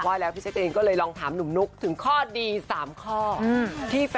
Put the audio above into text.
แล้วพี่แจกเองก็เลยลองถามหนุ่มนุ๊กถึงข้อดี๓ข้อ